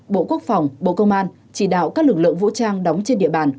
bộ quốc phòng bộ công an chỉ đạo các lực lượng vũ trang đóng trên địa bàn